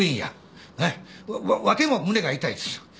わても胸が痛いですよ。